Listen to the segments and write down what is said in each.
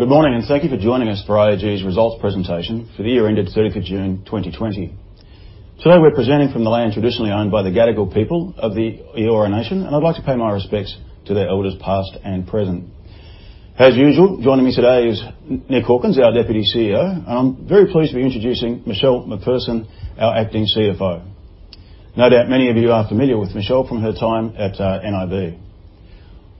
Good morning, thank you for joining us for IAG's results presentation for the year ended 30th June 2020. Today, we're presenting from the land traditionally owned by the Gadigal people of the Eora Nation, and I'd like to pay my respects to their elders, past and present. As usual, joining me today is Nick Hawkins, our Deputy CEO. I'm very pleased to be introducing Michelle McPherson, our Acting CFO. No doubt many of you are familiar with Michelle from her time at nib.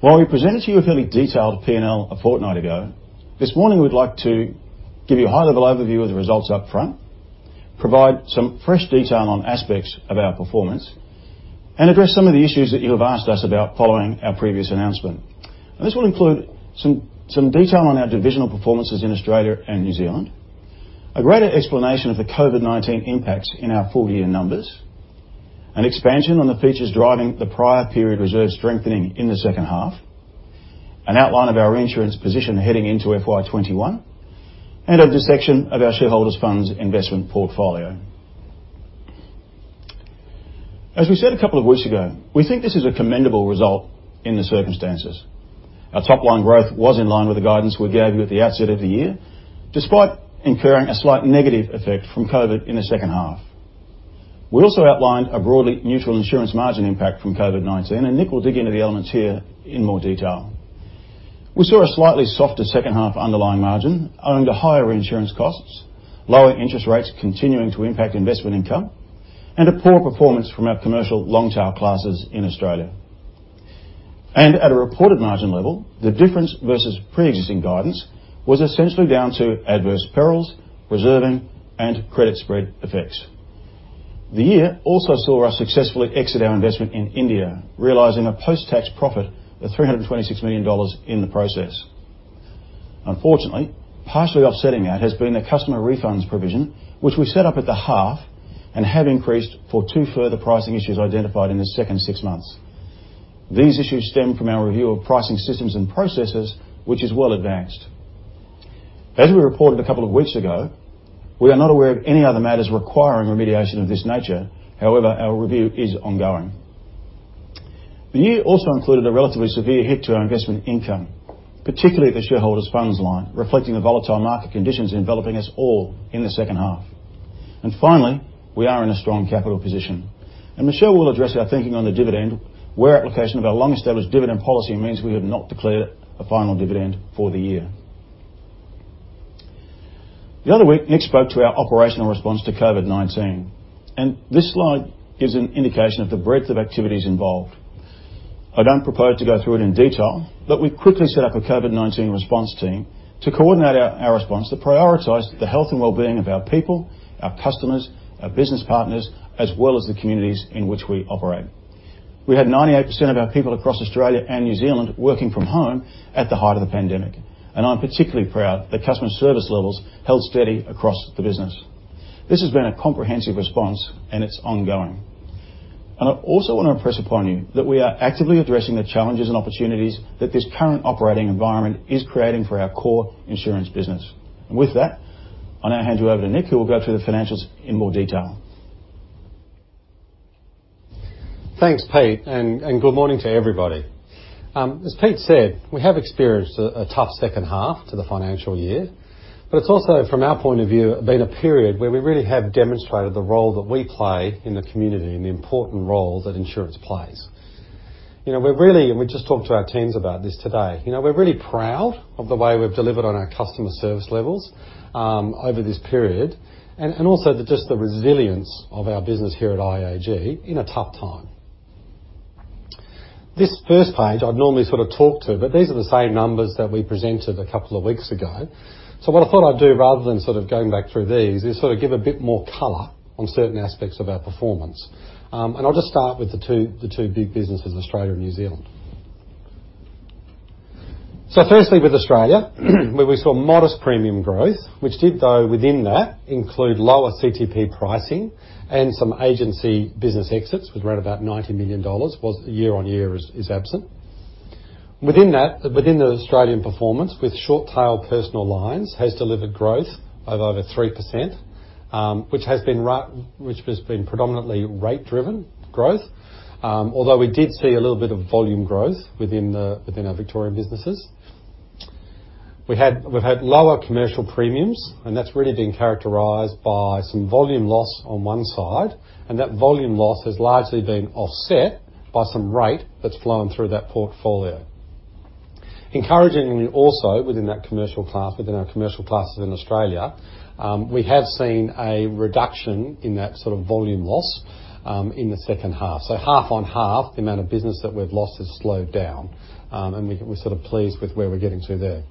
While we presented to you a fairly detailed P&L a fortnight ago, this morning we'd like to give you a high-level overview of the results up front, provide some fresh detail on aspects of our performance, and address some of the issues that you have asked us about following our previous announcement. This will include some detail on our divisional performances in Australia and New Zealand, a greater explanation of the COVID-19 impacts in our full year numbers, an expansion on the features driving the prior period reserve strengthening in the second half, an outline of our reinsurance position heading into FY 2021, and a dissection of our shareholders' funds investment portfolio. As we said a couple of weeks ago, we think this is a commendable result in the circumstances. Our top line growth was in line with the guidance we gave you at the outset of the year, despite incurring a slight negative effect from COVID-19 in the second half. We also outlined a broadly neutral insurance margin impact from COVID-19, and Nick will dig into the elements here in more detail. We saw a slightly softer second half underlying margin owing to higher reinsurance costs, lower interest rates continuing to impact investment income, and a poor performance from our commercial long-tail classes in Australia. At a reported margin level, the difference versus pre-existing guidance was essentially down to adverse perils, reserving, and credit spread effects. The year also saw us successfully exit our investment in India, realizing a post-tax profit of 326 million dollars in the process. Unfortunately, partially offsetting that has been the customer refunds provision, which we set up at the half, and have increased for two further pricing issues identified in the second six months. These issues stem from our review of pricing systems and processes, which is well advanced. As we reported a couple of weeks ago, we are not aware of any other matters requiring remediation of this nature. However, our review is ongoing. The year also included a relatively severe hit to our investment income, particularly the shareholders' funds line, reflecting the volatile market conditions enveloping us all in the second half. Finally, we are in a strong capital position, and Michelle will address our thinking on the dividend, where application of our long-established dividend policy means we have not declared a final dividend for the year. The other week, Nick spoke to our operational response to COVID-19, and this slide gives an indication of the breadth of activities involved. I don't propose to go through it in detail, but we quickly set up a COVID-19 response team to coordinate our response that prioritized the health and well-being of our people, our customers, our business partners, as well as the communities in which we operate. We had 98% of our people across Australia and New Zealand working from home at the height of the COVID-19 pandemic, and I'm particularly proud that customer service levels held steady across the business. This has been a comprehensive response, and it's ongoing. I also want to impress upon you that we are actively addressing the challenges and opportunities that this current operating environment is creating for our core insurance business. With that, I'll now hand you over to Nick, who will go through the financials in more detail. Thanks, Peter. Good morning to everybody. As Peter said, we have experienced a tough second half to the financial year. It's also, from our point of view, been a period where we really have demonstrated the role that we play in the community and the important role that insurance plays. We just talked to our teams about this today. We're really proud of the way we've delivered on our customer service levels over this period, and also just the resilience of our business here at IAG in a tough time. This first page I'd normally sort of talk to, but these are the same numbers that we presented a couple of weeks ago. What I thought I'd do, rather than going back through these, is give a bit more color on certain aspects of our performance. I'll just start with the two big businesses, Australia and New Zealand. Firstly, with Australia, where we saw modest premium growth, which did, though, within that, include lower CTP pricing and some agency business exits, with right about 90 million dollars year-on-year is absent. Within the Australian performance, with short tail personal lines has delivered growth of over 3%, which has been predominantly rate-driven growth. Although we did see a little bit of volume growth within our Victorian businesses. We've had lower commercial premiums, and that's really been characterized by some volume loss on one side, and that volume loss has largely been offset by some rate that's flowing through that portfolio. Encouragingly, also within our commercial classes in Australia, we have seen a reduction in that volume loss in the second half. Half on half, the amount of business that we've lost has slowed down, and we're pleased with where we're getting to there.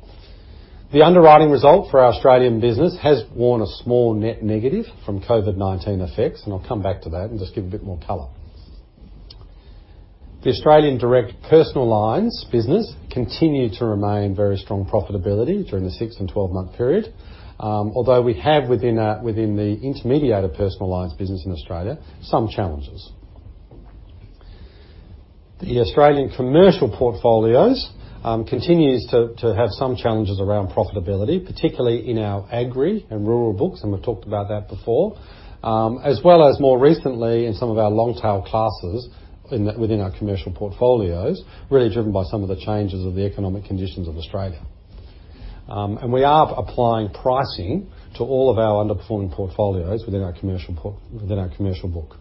The underwriting result for our Australian business has worn a small net negative from COVID-19 effects, and I'll come back to that and just give a bit more color. The Australian direct personal lines business continue to remain very strong profitability during the six and 12-month period, although we have, within the intermediated personal lines business in Australia, some challenges. The Australian commercial portfolios continues to have some challenges around profitability, particularly in our agri and rural books, and we've talked about that before, as well as more recently in some of our long-tail classes within our commercial portfolios, really driven by some of the changes of the economic conditions of Australia. We are applying pricing to all of our underperforming portfolios within our commercial book.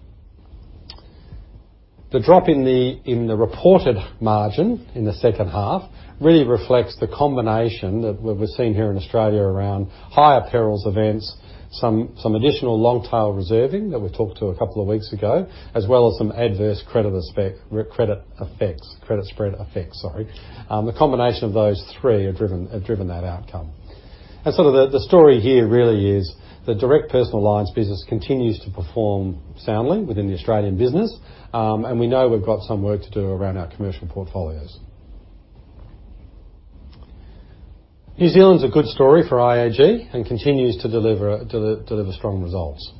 The drop in the reported margin in the second half really reflects the combination that we're seeing here in Australia around higher perils events, some additional long-tail reserving that we talked to a couple of weeks ago, as well as some adverse credit spread effects. The combination of those three have driven that outcome. Sort of the story here really is the direct personal lines business continues to perform soundly within the Australian business. We know we've got some work to do around our commercial portfolios. New Zealand's a good story for IAG and continues to deliver strong results.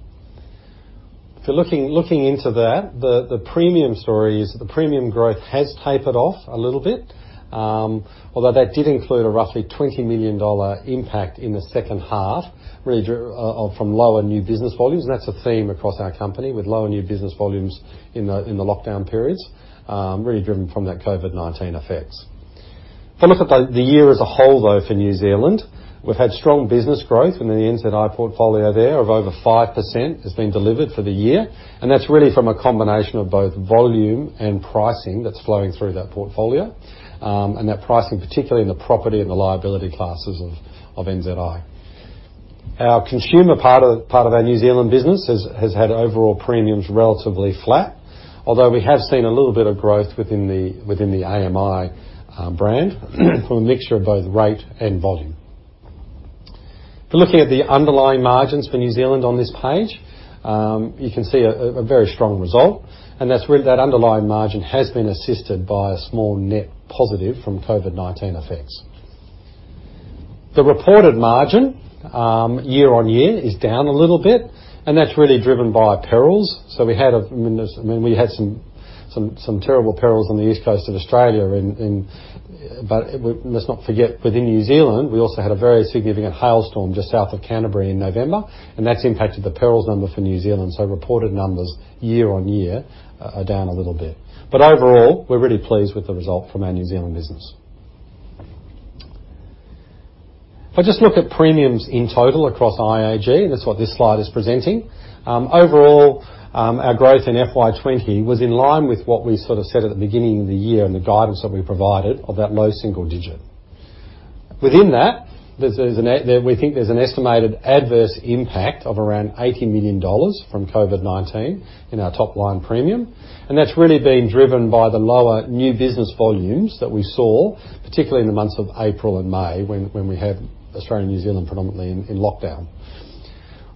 If you're looking into that, the premium story is the premium growth has tapered off a little bit, although that did include a roughly 20 million dollar impact in the second half from lower new business volumes. That's a theme across our company with lower new business volumes in the lockdown periods, really driven from that COVID-19 effects. If you look at the year as a whole, though, for New Zealand, we've had strong business growth in the NZI portfolio there of over 5% that's been delivered for the year, and that's really from a combination of both volume and pricing that's flowing through that portfolio, and that pricing particularly in the property and the liability classes of NZI. Our consumer part of our New Zealand business has had overall premiums relatively flat, although we have seen a little bit of growth within the AMI brand from a mixture of both rate and volume. If you're looking at the underlying margins for New Zealand on this page, you can see a very strong result, that underlying margin has been assisted by a small net positive from COVID-19 effects. The reported margin year-on-year is down a little bit, that's really driven by perils. We had some terrible perils on the east coast of Australia, let's not forget, within New Zealand, we also had a very significant hailstorm just south of Canterbury in November, that's impacted the perils number for New Zealand. Reported numbers year-on-year are down a little bit. Overall, we're really pleased with the result from our New Zealand business. If I just look at premiums in total across IAG, that's what this slide is presenting. Overall, our growth in FY 2020 was in line with what we sort of said at the beginning of the year and the guidance that we provided of that low single digit. Within that, we think there's an estimated adverse impact of around 80 million dollars from COVID-19 in our top-line premium, and that's really been driven by the lower new business volumes that we saw, particularly in the months of April and May when we had Australia and New Zealand predominantly in lockdown.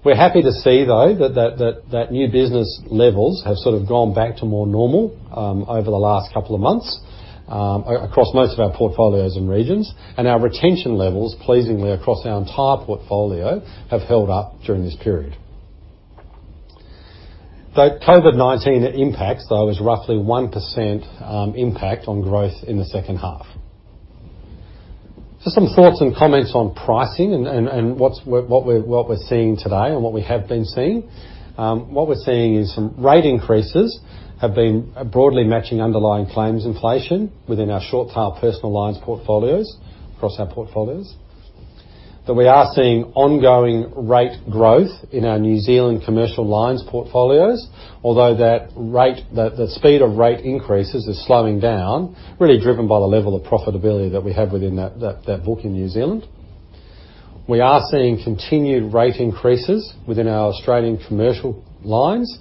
We're happy to see, though, that new business levels have sort of gone back to more normal over the last couple of months, across most of our portfolios and regions, and our retention levels, pleasingly across our entire portfolio, have held up during this period. The COVID-19 impact, though, is roughly 1% impact on growth in the second half. Just some thoughts and comments on pricing and what we're seeing today and what we have been seeing. What we're seeing is some rate increases have been broadly matching underlying claims inflation within our short-tail personal lines portfolios across our portfolios. We are seeing ongoing rate growth in our New Zealand commercial lines portfolios, although the speed of rate increases is slowing down, really driven by the level of profitability that we have within that book in New Zealand. We are seeing continued rate increases within our Australian commercial lines,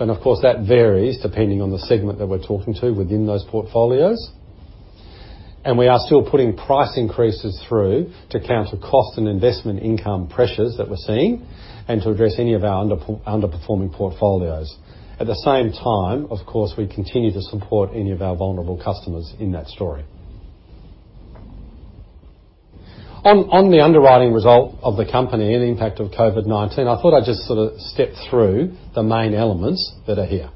and of course, that varies depending on the segment that we're talking to within those portfolios. We are still putting price increases through to counter cost and investment income pressures that we're seeing and to address any of our underperforming portfolios. At the same time, of course, we continue to support any of our vulnerable customers in that story. On the underwriting result of the company and the impact of COVID-19, I thought I'd just sort of step through the main elements that are here.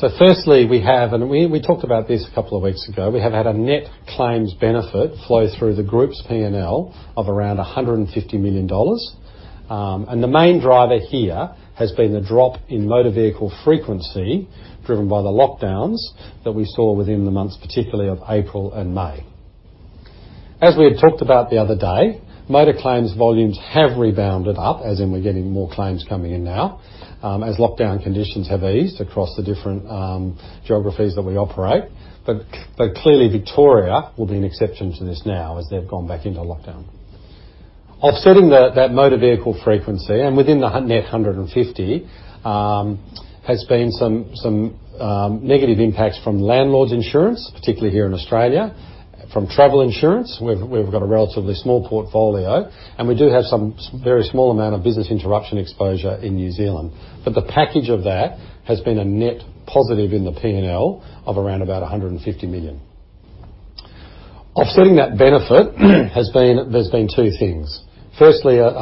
Firstly, we have, and we talked about this a couple of weeks ago, we have had a net claims benefit flow through the group's P&L of around 150 million dollars. The main driver here has been the drop in motor vehicle frequency driven by the lockdowns that we saw within the months, particularly of April and May. As we had talked about the other day, motor claims volumes have rebounded up, as in we're getting more claims coming in now, as lockdown conditions have eased across the different geographies that we operate. Clearly Victoria will be an exception to this now as they've gone back into lockdown. Offsetting that motor vehicle frequency and within the net 150, has been some negative impacts from landlords insurance, particularly here in Australia, from travel insurance, we've got a relatively small portfolio, and we do have some very small amount of business interruption exposure in New Zealand. The package of that has been a net positive in the P&L of around about 150 million. Offsetting that benefit, there's been two things. Firstly, just over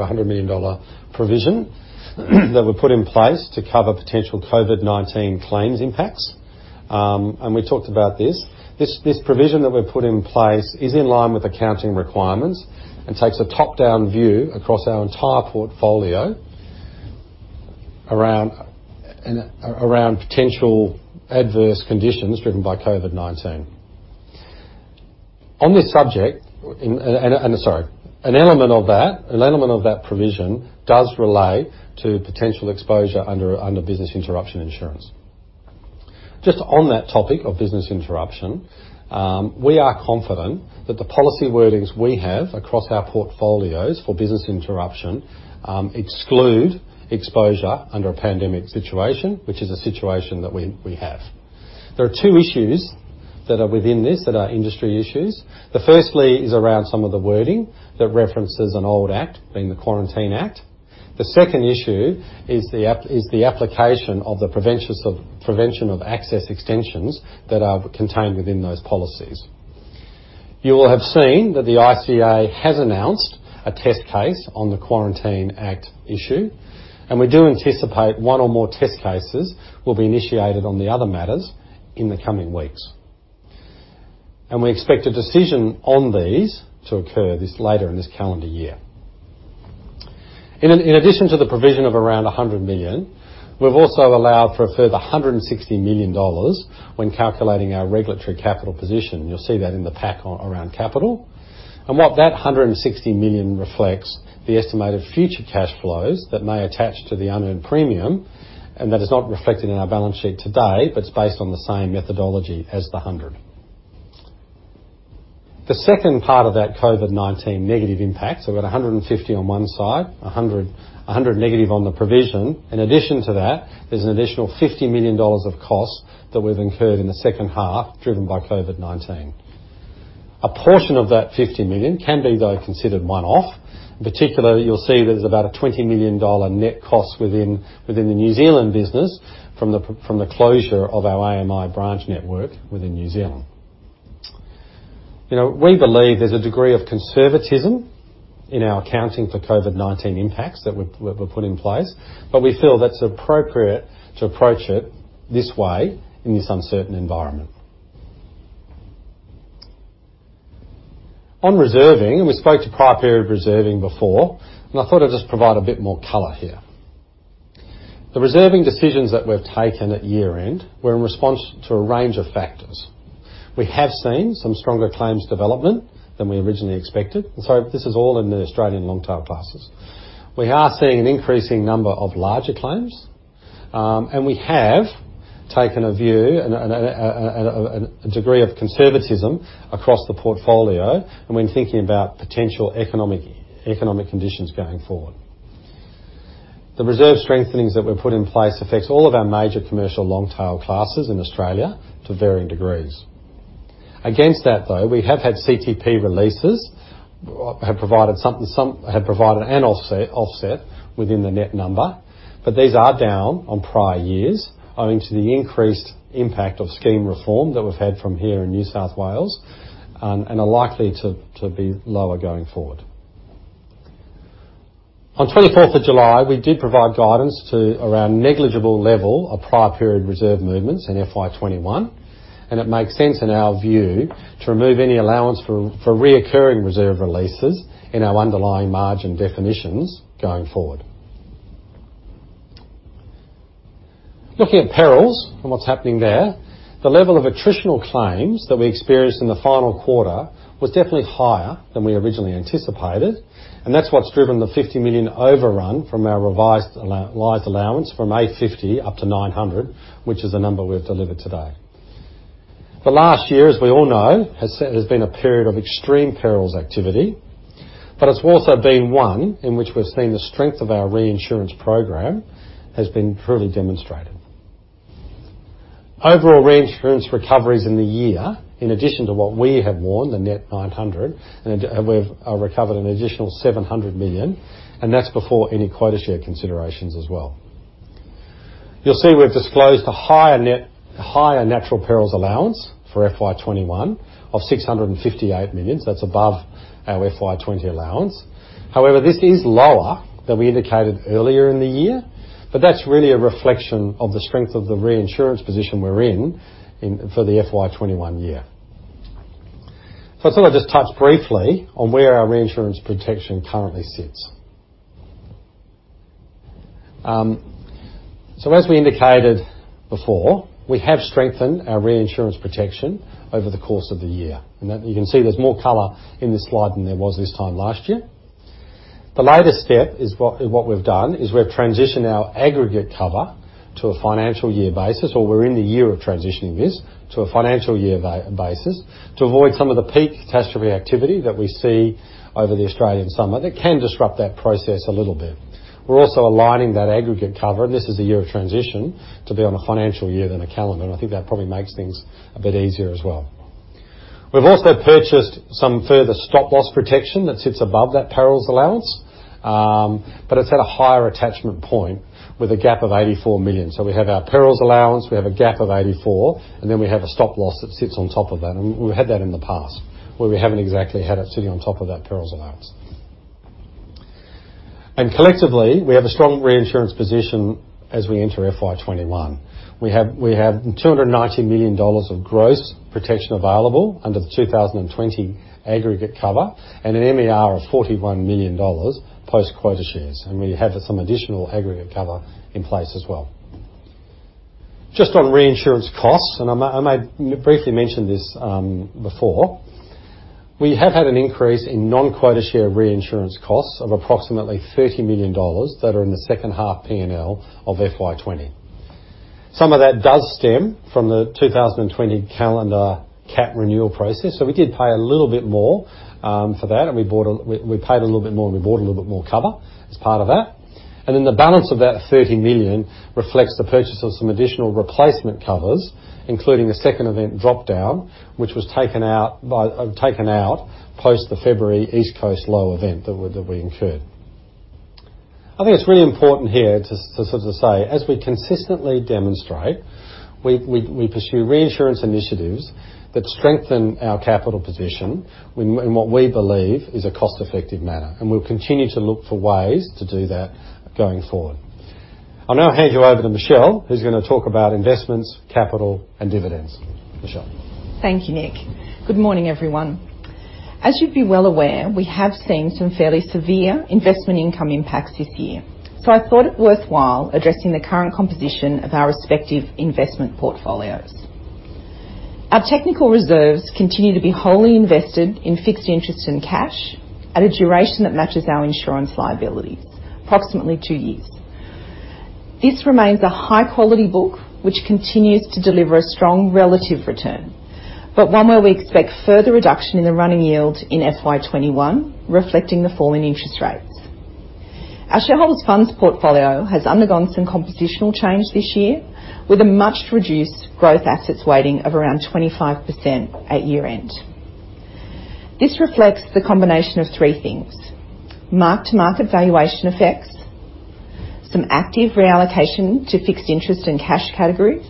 100 million dollar provision that were put in place to cover potential COVID-19 claims impacts. We talked about this. This provision that we've put in place is in line with accounting requirements and takes a top-down view across our entire portfolio, around potential adverse conditions driven by COVID-19. On this subject, an element of that provision does relate to potential exposure under business interruption insurance. Just on that topic of business interruption, we are confident that the policy wordings we have across our portfolios for business interruption exclude exposure under a pandemic situation, which is a situation that we have. There are two issues that are within this that are industry issues. The firstly is around some of the wording that references an old act, being the Quarantine Act. The second issue is the application of the prevention of access extensions that are contained within those policies. You will have seen that the ICA has announced a test case on the Quarantine Act issue, and we do anticipate one or more test cases will be initiated on the other matters in the coming weeks. We expect a decision on these to occur later in this calendar year. In addition to the provision of around 100 million, we've also allowed for a further 160 million dollars when calculating our regulatory capital position. You'll see that in the pack around capital. What that 160 million reflects the estimated future cash flows that may attach to the unearned premium, and that is not reflected in our balance sheet today, but it's based on the same methodology as the 100. The second part of that COVID-19 negative impact. We've got 150 on one side, 100 negative on the provision. In addition to that, there's an additional 50 million dollars of costs that we've incurred in the second half, driven by COVID-19. A portion of that 50 million can be, though, considered one-off. In particular, you'll see there's about a 20 million dollar net cost within the New Zealand business from the closure of our AMI branch network within New Zealand. We believe there's a degree of conservatism in our accounting for COVID-19 impacts that we've put in place, but we feel that's appropriate to approach it this way in this uncertain environment. On reserving, we spoke to prior period reserving before, I thought I'd just provide a bit more color here. The reserving decisions that we've taken at year-end were in response to a range of factors. We have seen some stronger claims development than we originally expected. This is all in the Australian long-tail classes. We are seeing an increasing number of larger claims, and we have taken a view and a degree of conservatism across the portfolio, and when thinking about potential economic conditions going forward. The reserve strengthenings that were put in place affects all of our major commercial long-tail classes in Australia to varying degrees. Against that, though, we have had CTP releases, have provided an offset within the net number, but these are down on prior years owing to the increased impact of scheme reform that we've had from here in New South Wales and are likely to be lower going forward. On 24th of July, we did provide guidance to around negligible level of prior period reserve movements in FY 2021, and it makes sense in our view to remove any allowance for reoccurring reserve releases in our underlying margin definitions going forward. Looking at perils and what's happening there, the level of attritional claims that we experienced in the final quarter was definitely higher than we originally anticipated, and that's what's driven the 50 million overrun from our revised allowance from 850 million up to 900 million, which is the number we've delivered today. The last year, as we all know, has been a period of extreme perils activity, but it's also been one in which we've seen the strength of our reinsurance program has been truly demonstrated. Overall reinsurance recoveries in the year, in addition to what we have warned, the net 900 million, We've recovered an additional 700 million, and That's before any quota share considerations as well. You'll see we've disclosed a higher natural perils allowance for FY 2021 of 658 million. That's above our FY 2020 allowance. However, this is lower than we indicated earlier in the year, That's really a reflection of the strength of the reinsurance position we're in for the FY 2021 year. I thought I'd just touch briefly on where our reinsurance protection currently sits. As we indicated before, we have strengthened our reinsurance protection over the course of the year. You can see there's more color in this slide than there was this time last year. The latest step in what we've done is we've transitioned our aggregate cover to a financial year basis, or we're in the year of transitioning this to a financial year basis to avoid some of the peak catastrophe activity that we see over the Australian summer that can disrupt that process a little bit. We're also aligning that aggregate cover, and this is a year of transition, to be on a financial year than a calendar, and I think that probably makes things a bit easier as well. We've also purchased some further stop-loss protection that sits above that perils allowance, but it's at a higher attachment point with a gap of 84 million. We have our perils allowance, we have a gap of 84 million, and then we have a stop-loss that sits on top of that, and we've had that in the past, where we haven't exactly had it sitting on top of that perils allowance. Collectively, we have a strong reinsurance position as we enter FY 2021. We have 290 million dollars of gross protection available under the 2020 aggregate cover and an MER of 41 million dollars post quota shares, and we have some additional aggregate cover in place as well. Just on reinsurance costs, and I may briefly mention this before, we have had an increase in non-quota share reinsurance costs of approximately 30 million dollars that are in the second half P&L of FY 2020. Some of that does stem from the 2020 calendar cat renewal process, so we did pay a little bit more for that. We paid a little bit more and we bought a little bit more cover as part of that. The balance of that 30 million reflects the purchase of some additional replacement covers, including a second event drop-down, which was taken out post the February East Coast Low event that we incurred. I think it's really important here to say, as we consistently demonstrate, we pursue reinsurance initiatives that strengthen our capital position in what we believe is a cost-effective manner. We'll continue to look for ways to do that going forward. I'll now hand you over to Michelle, who's going to talk about investments, capital, and dividends. Michelle. Thank you, Nick. Good morning, everyone. As you'd be well aware, we have seen some fairly severe investment income impacts this year, so I thought it worthwhile addressing the current composition of our respective investment portfolios. Our technical reserves continue to be wholly invested in fixed interest and cash at a duration that matches our insurance liabilities, approximately two years. This remains a high-quality book, which continues to deliver a strong relative return, but one where we expect further reduction in the running yield in FY 2021, reflecting the fall in interest rates. Our shareholders' funds portfolio has undergone some compositional change this year, with a much-reduced growth assets weighting of around 25% at year-end. This reflects the combination of three things, mark-to-market valuation effects, some active reallocation to fixed interest and cash categories,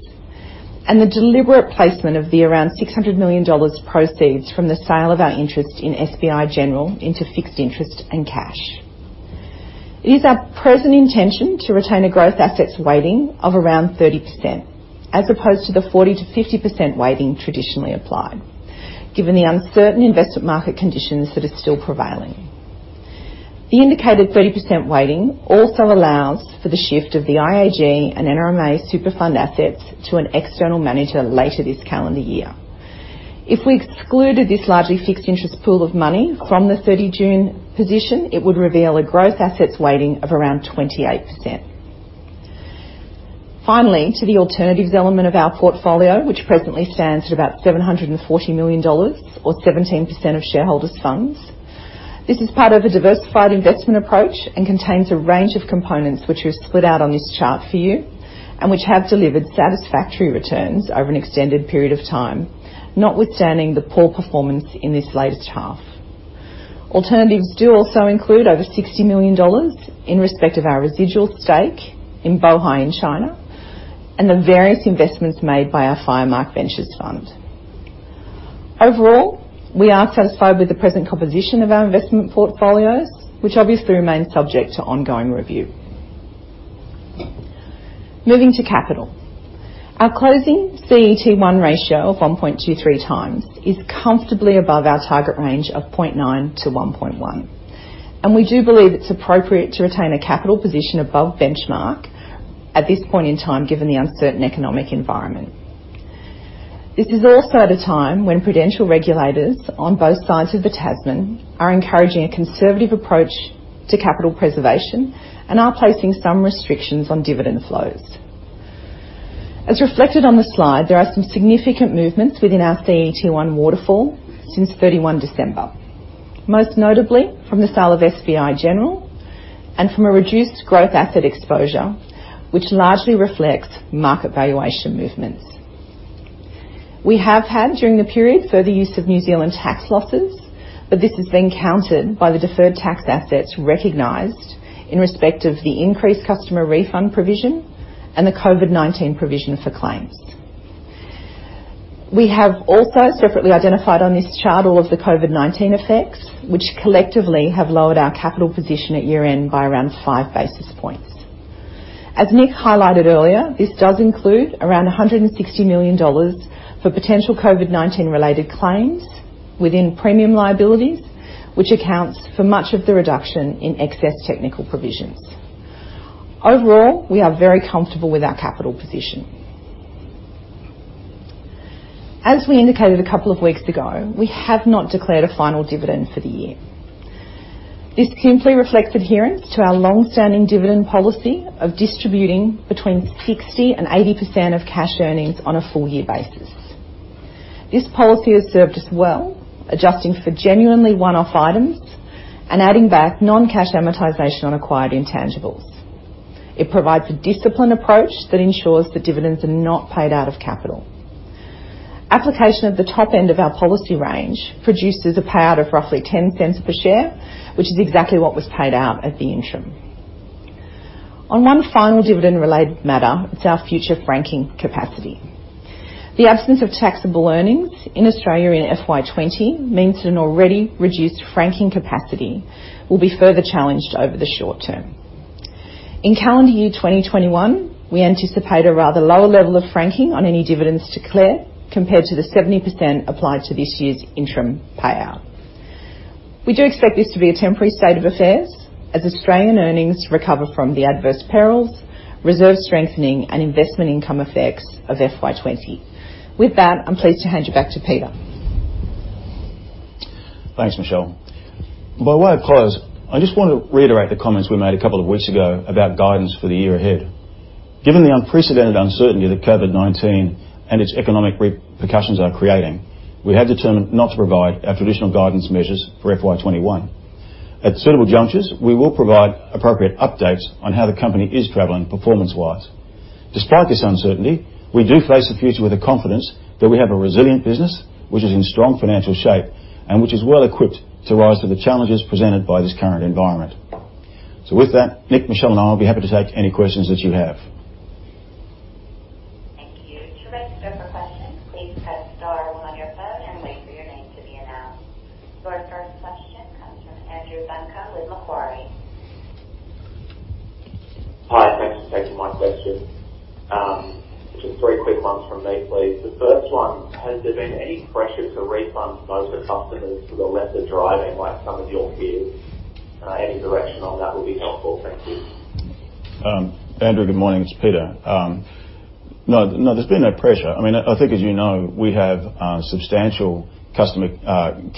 and the deliberate placement of the around 600 million dollars proceeds from the sale of our interest in SBI General into fixed interest and cash. It is our present intention to retain a growth assets weighting of around 30%, as opposed to the 40%-50% weighting traditionally applied, given the uncertain investment market conditions that are still prevailing. The indicated 30% weighting also allows for the shift of the IAG and NRMA Superannuation Plan assets to an external manager later this calendar year. If we excluded this largely fixed interest pool of money from the 30th June position, it would reveal a growth assets weighting of around 28%. Finally, to the alternatives element of our portfolio, which presently stands at about 740 million dollars or 17% of shareholders' funds. This is part of the diversified investment approach and contains a range of components which we've split out on this chart for you and which have delivered satisfactory returns over an extended period of time, notwithstanding the poor performance in this latest half. Alternatives do also include over 60 million dollars in respect of our residual stake in Bohai in China and the various investments made by our Firemark Ventures fund. Overall, we are satisfied with the present composition of our investment portfolios, which obviously remain subject to ongoing review. Moving to capital. Our closing CET1 ratio of 1.23 times is comfortably above our target range of 0.9%-1.1%. We do believe it's appropriate to retain a capital position above benchmark at this point in time, given the uncertain economic environment. This is also at a time when prudential regulators on both sides of the Tasman are encouraging a conservative approach to capital preservation and are placing some restrictions on dividend flows. As reflected on the slide, there are some significant movements within our CET1 waterfall since 31 December, most notably from the sale of SBI General and from a reduced growth asset exposure, which largely reflects market valuation movements. We have had, during the period, further use of New Zealand tax losses, but this has been countered by the deferred tax assets recognized in respect of the increased customer refund provision and the COVID-19 provision for claims. We have also separately identified on this chart all of the COVID-19 effects, which collectively have lowered our capital position at year-end by around five basis points. As Nick highlighted earlier, this does include around 160 million dollars for potential COVID-19-related claims within premium liabilities, which accounts for much of the reduction in excess technical provisions. Overall, we are very comfortable with our capital position. As we indicated a couple of weeks ago, we have not declared a final dividend for the year. This simply reflects adherence to our long-standing dividend policy of distributing between 60% and 80% of cash earnings on a full-year basis. This policy has served us well, adjusting for genuinely one-off items and adding back non-cash amortization on acquired intangibles. It provides a disciplined approach that ensures that dividends are not paid out of capital. Application of the top end of our policy range produces a payout of roughly 0.10 per share, which is exactly what was paid out at the interim. On one final dividend-related matter is our future franking capacity. The absence of taxable earnings in Australia in FY 2020 means that an already reduced franking capacity will be further challenged over the short term. In calendar year 2021, we anticipate a rather lower level of franking on any dividends declared compared to the 70% applied to this year's interim payout. We do expect this to be a temporary state of affairs as Australian earnings recover from the adverse perils, reserve strengthening, and investment income effects of FY 2020. With that, I'm pleased to hand you back to Peter. Thanks, Michelle. By way of close, I just want to reiterate the comments we made a couple of weeks ago about guidance for the year ahead. Given the unprecedented uncertainty that COVID-19 and its economic repercussions are creating, we have determined not to provide our traditional guidance measures for FY 2021. At suitable junctures, we will provide appropriate updates on how the company is traveling performance-wise. Despite this uncertainty, we do face the future with the confidence that we have a resilient business, which is in strong financial shape, and which is well equipped to rise to the challenges presented by this current environment. With that, Nick, Michelle, and I will be happy to take any questions that you have. Thank you. To register for questions, please press star one on your phone and wait for your name to be announced. Your first question comes from Andrew Buncombe with Macquarie. Hi. Thanks for taking my question. Just three quick ones from me, please. The first one, has there been any pressure to refund motor customers with a lesser driving, like some of your peers? Any direction on that would be helpful. Thank you. Andrew, good morning. It's Peter. No, there's been no pressure. I think as you know, we have substantial customer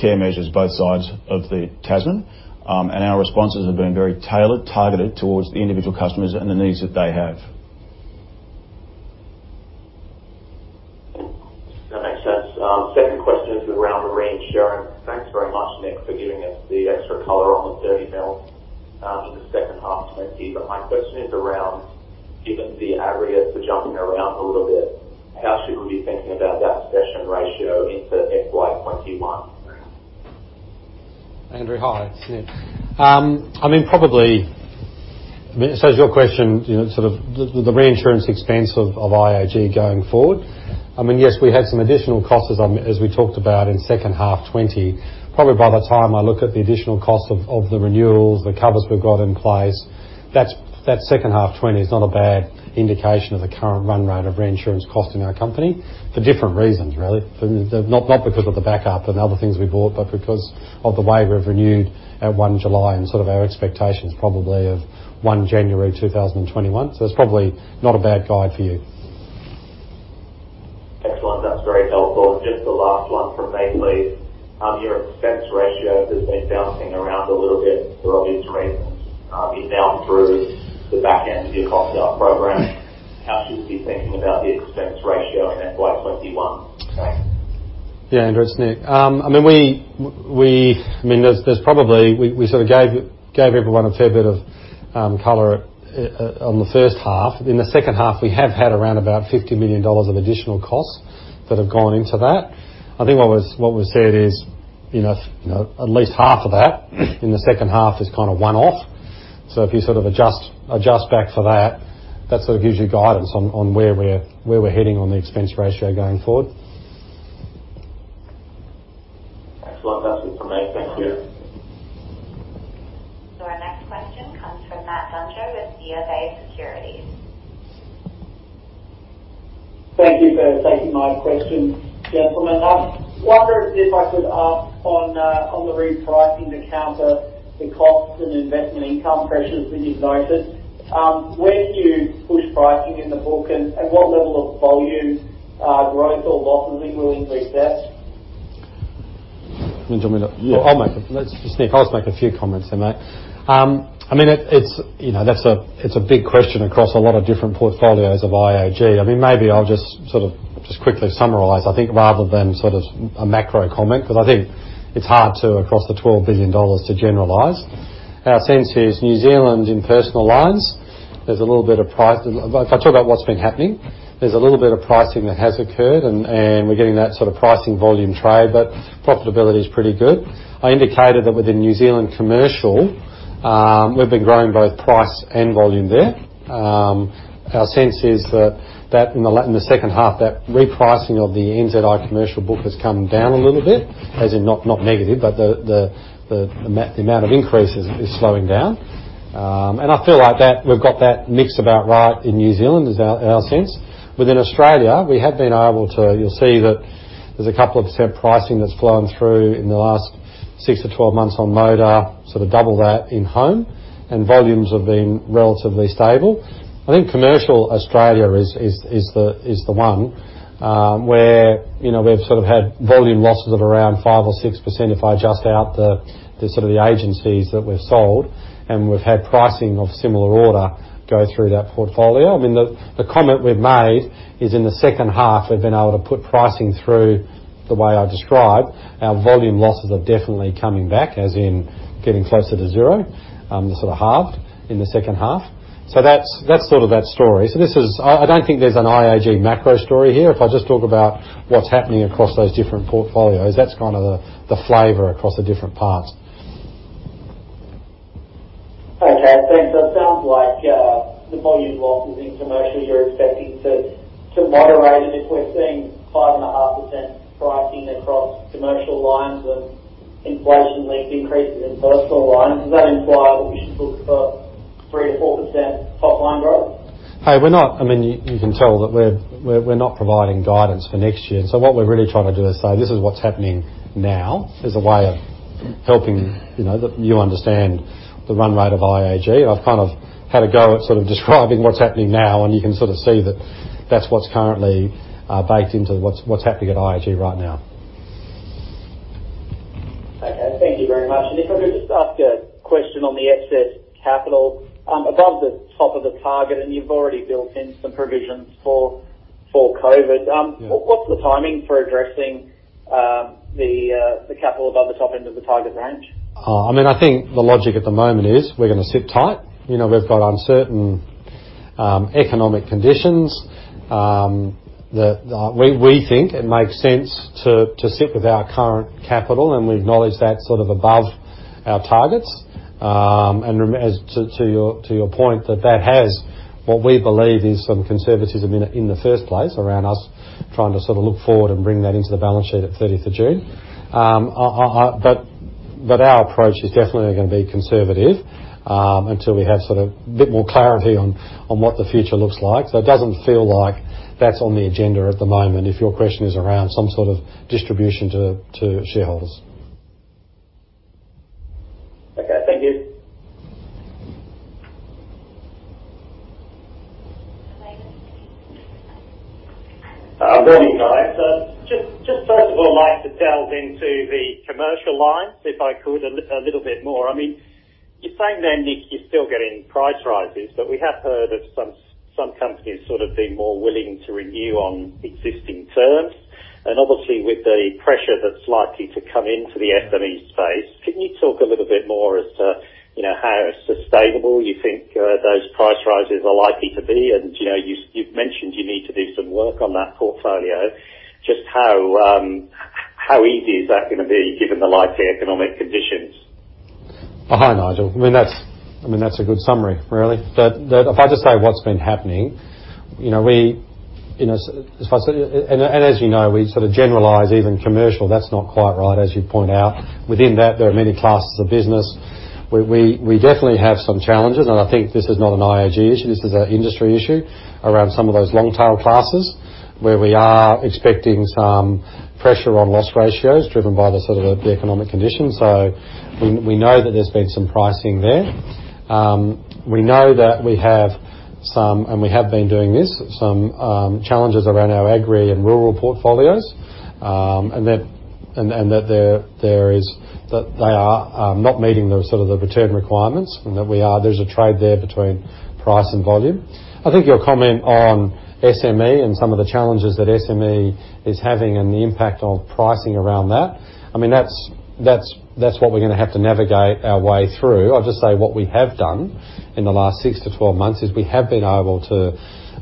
care measures, both sides of the Tasman. Our responses have been very tailored, targeted towards the individual customers and the needs that they have. That makes sense. Second question is around reinsurance. Thanks very much, Nick, for giving us the extra color on the AUD 30 million for the second half 2020. My question is around, given the aggregate for jumping around a little bit, how should we be thinking about that cession ratio into FY 2021? Andrew, hi, it's Nick. Is your question sort of the reinsurance expense of IAG going forward? Yeah. We had some additional costs as we talked about in second half 2020. Probably by the time I look at the additional cost of the renewals, the covers we've got in place, that second half 2020 is not a bad indication of the current run rate of reinsurance cost in our company for different reasons, really. Not because of the backup and other things we bought, but because of the way we've renewed at 1 July and sort of our expectations probably of 1 January 2021. It's probably not a bad guide for you. Excellent. That's very helpful. Just the last one from me, please. Your expense ratio has been bouncing around a little bit throughout this uncertain. You've now through the back end of your cost out program. How should we be thinking about the expense ratio in FY 2021? Thanks. Yeah, Andrew, it's Nick. There's probably, we sort of gave everyone a fair bit of color on the first half. In the second half, we have had around about 50 million dollars of additional costs that have gone into that. I think what was said is at least half of that in the second half is kind of one-off. If you sort of adjust back for that sort of gives you guidance on where we're heading on the expense ratio going forward. Excellent. That's great. Thank you. Our next question comes from Matt Dunger with BofA Securities. Thank you for taking my question, gentlemen. I wonder if I could ask on the repricing to counter the costs and investment income pressures that you've noted, where do you push pricing in the book, and at what level of volume growth or losses are you willing to accept? You want me to? Yeah. It's Nick. I'll just make a few comments there, Matt. It's a big question across a lot of different portfolios of IAG. Maybe I'll just quickly summarize, I think, rather than sort of a macro comment, because I think it's hard to, across the 12 billion dollars, to generalize. Our sense here is New Zealand in personal lines, there's a little bit of pricing that has occurred, and we're getting that sort of pricing volume trade, but profitability is pretty good. I indicated that within New Zealand commercial, we've been growing both price and volume there. Our sense is that in the second half, that repricing of the NZI commercial book has come down a little bit, as in not negative, but the amount of increase is slowing down. I feel like we've got that mix about right in New Zealand, is our sense. Within Australia, we have been able to You'll see that there's a couple of percent pricing that's flown through in the last 6-12 months on motor, sort of double that in home, and volumes have been relatively stable. I think commercial Australia is the one where we've sort of had volume losses of around 5% or 6% if I adjust out the sort of the agencies that we've sold, and we've had pricing of similar order go through that portfolio. The comment we've made is in the second half, we've been able to put pricing through the way I described. Our volume losses are definitely coming back, as in getting closer to zero, they sort of halved in the second half. That's sort of that story. I don't think there's an IAG macro story here. If I just talk about what's happening across those different portfolios, that's kind of the flavor across the different parts. Okay, thanks. It sounds like the volume losses in commercial you're expecting to moderate. If we're seeing 5.5% pricing across commercial lines of inflation linked increases in personal lines, does that imply what we should look for 3%-4% top line growth? Hey, you can tell that we're not providing guidance for next year. What we're really trying to do is say, this is what's happening now as a way of helping you understand the run rate of IAG. I've kind of had a go at sort of describing what's happening now, and you can sort of see that that's what's currently baked into what's happening at IAG right now. Okay, thank you very much. If I could just ask a question on the excess capital above the top of the target, and you've already built in some provisions for COVID. Yeah. What's the timing for addressing the capital above the top end of the target range? I think the logic at the moment is we're going to sit tight. We've got uncertain economic conditions that we think it makes sense to sit with our current capital, and we acknowledge that above our targets. To your point that has what we believe is some conservatism in the first place around us trying to sort of look forward and bring that into the balance sheet at 30th of June. Our approach is definitely going to be conservative, until we have sort of a bit more clarity on what the future looks like. It doesn't feel like that's on the agenda at the moment, if your question is around some sort of distribution to shareholders. Okay, thank you. Nigel. Morning, guys. Just first of all, I'd like to delve into the commercial line, if I could, a little bit more. You're saying there, Nick, you're still getting price rises, but we have heard of some companies sort of being more willing to renew on existing terms. Obviously with the pressure that's likely to come into the SME space, can you talk a little bit more as to how sustainable you think those price rises are likely to be? You've mentioned you need to do some work on that portfolio. Just how easy is that going to be given the likely economic conditions? Hi, Nigel. That's a good summary, really. If I just say what's been happening, and as you know, we sort of generalize even commercial, that's not quite right, as you point out. Within that, there are many classes of business where we definitely have some challenges, and I think this is not an IAG issue. This is an industry issue around some of those long tail classes, where we are expecting some pressure on loss ratios driven by the sort of the economic conditions. We know that there's been some pricing there. We know that we have some, and we have been doing this, some challenges around our agri and rural portfolios, and that they are not meeting the sort of the return requirements and there's a trade there between price and volume. I think your comment on SME and some of the challenges that SME is having and the impact on pricing around that's what we're going to have to navigate our way through. I'll just say what we have done in the last 6-12 months is we have been able to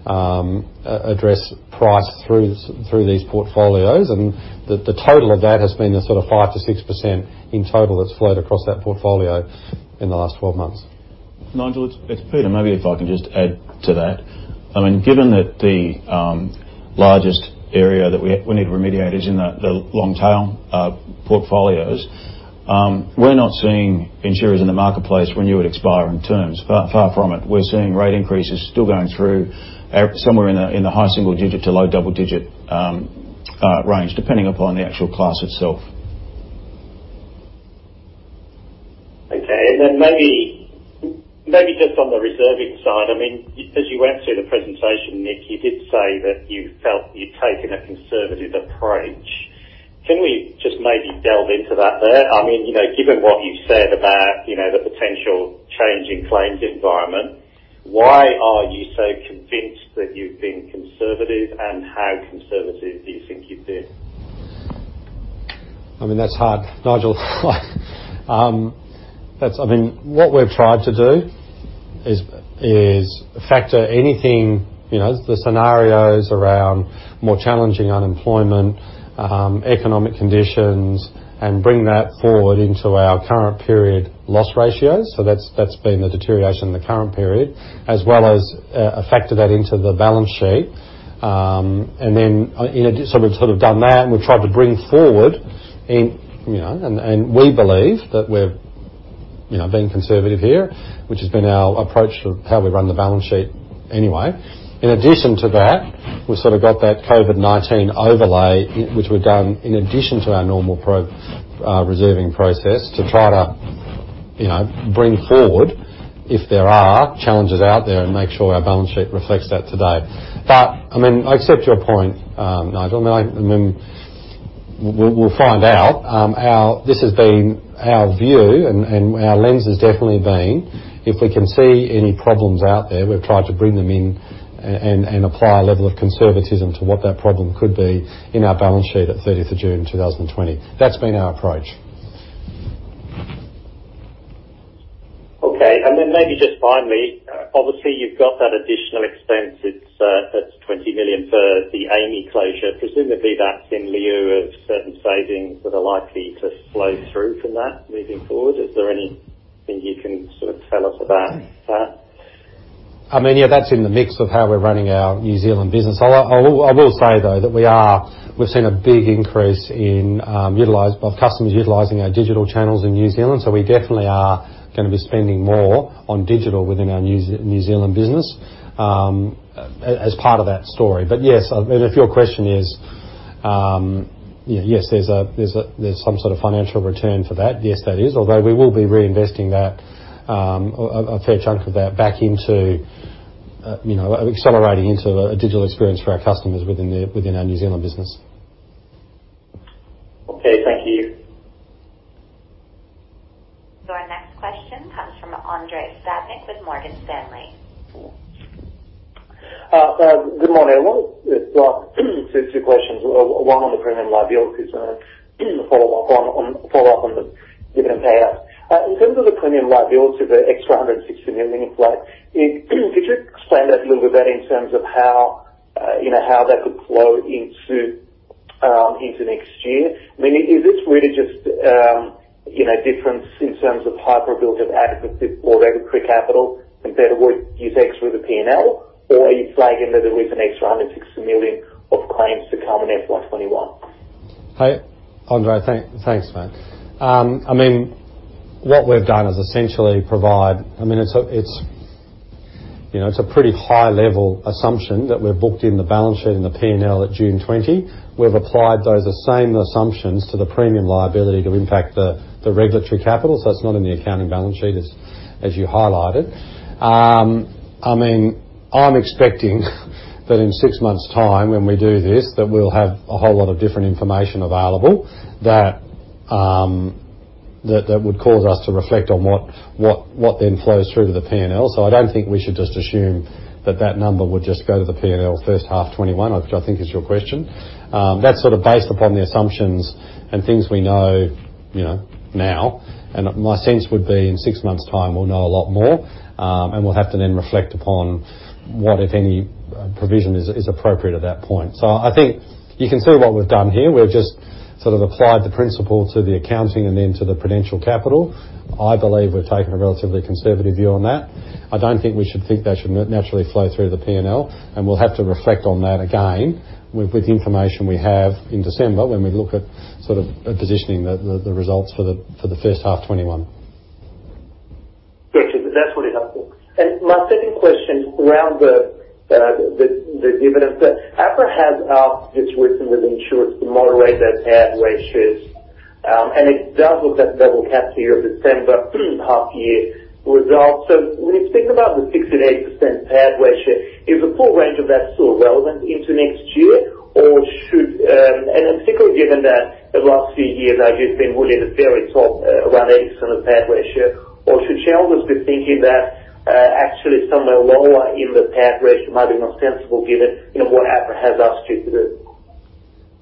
address price through these portfolios, and the total of that has been the sort of 5%-6% in total that's flowed across that portfolio in the last 12 months. Nigel, it's Peter. Maybe if I can just add to that. Given that the largest area that we need to remediate is in the long tail portfolios, we're not seeing insurers in the marketplace renew at expiring terms. Far from it. We're seeing rate increases still going through somewhere in the high single digit to low double digit range, depending upon the actual class itself. Maybe just on the reserving side, as you went through the presentation, Nick, you did say that you felt you'd taken a conservative approach. Can we just maybe delve into that there? Given what you said about the potential change in claims environment, why are you so convinced that you've been conservative, and how conservative do you think you've been? That's hard, Nigel. What we've tried to do is factor anything, the scenarios around more challenging unemployment, economic conditions, and bring that forward into our current period loss ratios. That's been the deterioration in the current period, as well as factor that into the balance sheet. Then, we've sort of done that and we've tried to bring forward and we believe that we're being conservative here, which has been our approach to how we run the balance sheet anyway. In addition to that, we've sort of got that COVID-19 overlay, which we've done in addition to our normal reserving process to try to bring forward if there are challenges out there and make sure our balance sheet reflects that today. I accept your point, Nigel, and we'll find out. This has been our view and our lens has definitely been, if we can see any problems out there, we've tried to bring them in and apply a level of conservatism to what that problem could be in our balance sheet at 30th of June 2020. That's been our approach. Okay. Maybe just finally, obviously you've got that additional expense. It's 20 million for the AMI closure. Presumably, that's in lieu of certain savings that are likely to flow through from that moving forward. Is there anything you can sort of tell us about that? Yeah, that's in the mix of how we're running our New Zealand business. I will say, though, that we've seen a big increase of customers utilizing our digital channels in New Zealand. We definitely are going to be spending more on digital within our New Zealand business as part of that story. Yes, if your question is, yes, there's some sort of financial return for that. Yes, that is. Although we will be reinvesting a fair chunk of that back into accelerating into a digital experience for our customers within our New Zealand business. Okay, thank you. Our next question comes from Andrei Stadnik with Morgan Stanley. Good morning. I want to ask two questions, one on the premium liabilities and a follow-up on the dividend payout. In terms of the premium liability, the extra 160 million you flag, could you explain a little bit in terms of how that could flow into next year? I mean, is this really just difference in terms of hyper build of adequacy or regulatory capital, and whether you would take through the P&L? Or are you flagging that there is an extra 160 million of claims to come in FY 2021? Andrei, thanks, mate. What we've done is essentially it's a pretty high level assumption that we've booked in the balance sheet in the P&L at June 2020. We've applied those same assumptions to the premium liability to impact the regulatory capital. It's not in the accounting balance sheet as you highlighted. I'm expecting that in six months' time, when we do this, that we'll have a whole lot of different information available that would cause us to reflect on what then flows through to the P&L. I don't think we should just assume that that number would just go to the P&L first half 2021, which I think is your question. That's sort of based upon the assumptions and things we know now, and my sense would be in six months' time, we'll know a lot more, and we'll have to then reflect upon what, if any, provision is appropriate at that point. I think you can see what we've done here. We've just applied the principle to the accounting and then to the prudential capital. I believe we've taken a relatively conservative view on that. I don't think we should think that should naturally flow through the P&L, and we'll have to reflect on that again with the information we have in December when we look at positioning the results for the first half 2021. Got you. That is really helpful. My second question around the dividends. APRA has asked its written with insurance to moderate those ad ratios, and it does look at double caps year-end December half year results. When you think about the 68% payout ratio, is the full range of that still relevant into next year? Particularly given that the last few years you have been really at the very top around 80% of payout ratio, or should shareholders be thinking that actually somewhere lower in the payout ratio might be more sensible given what APRA has asked you to do?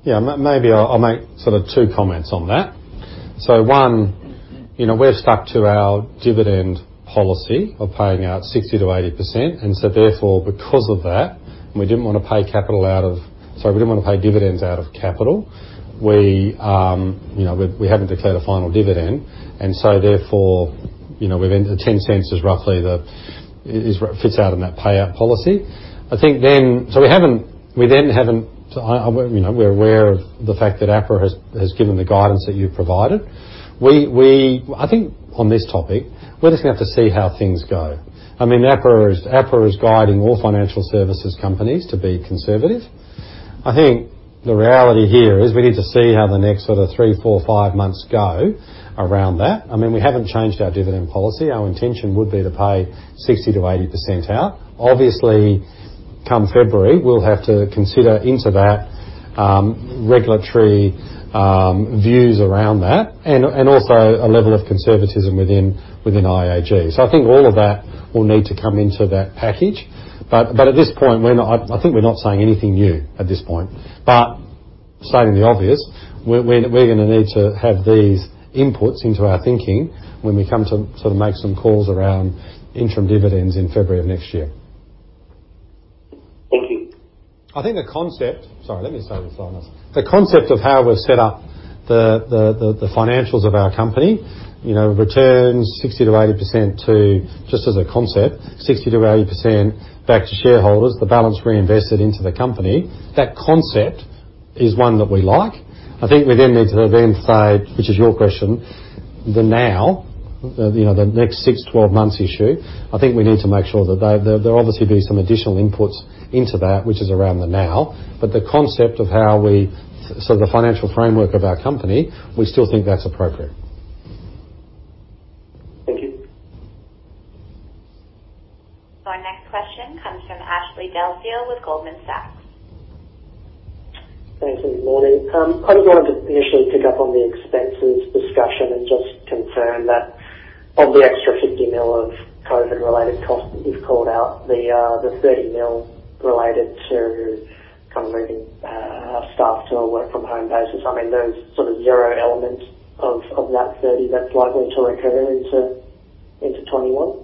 Yeah, maybe I'll make sort of two comments on that. One, we're stuck to our dividend policy of paying out 60%-80%. Therefore, because of that, we didn't want to pay dividends out of capital. We haven't declared a final dividend, and so therefore, 0.10 is roughly that fits out in that payout policy. We're aware of the fact that APRA has given the guidance that you provided. I think on this topic, we're just going to have to see how things go. APRA is guiding all financial services companies to be conservative. I think the reality here is we need to see how the next sort of three, four, five months go around that. We haven't changed our dividend policy. Our intention would be to pay 60%-80% out. Obviously, come February, we'll have to consider into that regulatory views around that and also a level of conservatism within IAG. I think all of that will need to come into that package. At this point, I think we're not saying anything new at this point. Stating the obvious, we're going to need to have these inputs into our thinking when we come to make some calls around interim dividends in February of next year. Thank you. Sorry, let me start with. The concept of how we've set up the financials of our company, returns 60%-80% to, just as a concept, 60%-80% back to shareholders, the balance reinvested into the company, that concept is one that we like. I think we then need to say, which is your question, the now, the next six, 12 months issue, I think we need to make sure that there'll obviously be some additional inputs into that, which is around the now. The concept of the financial framework of our company, we still think that's appropriate. Thank you. Our next question comes from Ashley Dalziell with Goldman Sachs. Thanks, and good morning. I just wanted to initially pick up on the expenses discussion and just confirm that of the extra 50 million of COVID-related costs that you've called out, the 30 million related to kind of moving staff to a work from home basis. I mean, there's sort of zero element of that 30 million that's likely to recur into 2021?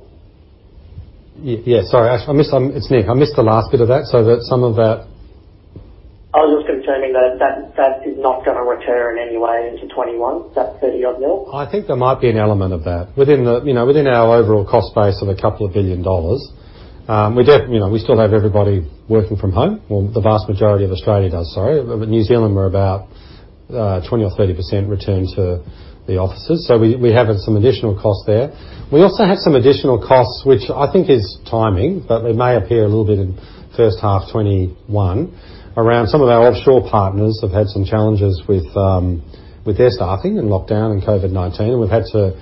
Yeah, sorry, Ashley. It's Nick. I missed the last bit of that. I was just confirming that is not going to return in any way into 2021, that 30 odd million? I think there might be an element of that. Within our overall cost base of a couple of billion AUD, we still have everybody working from home. Well, the vast majority of Australia does, sorry. New Zealand were about 20% or 30% return to the offices. We have some additional costs there. We also have some additional costs, which I think is timing, but it may appear a little bit in first half FY 2021, around some of our offshore partners have had some challenges with their staffing and lockdown and COVID-19, and we've had to